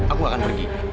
aku gak akan pergi